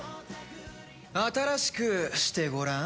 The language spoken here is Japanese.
新しくしてごらん。